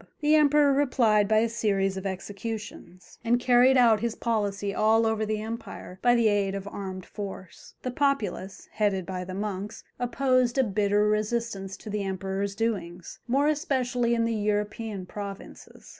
The Emperor replied by a series of executions, and carried out his policy all over the empire by the aid of armed force. The populace, headed by the monks, opposed a bitter resistance to the Emperor's doings, more especially in the European provinces.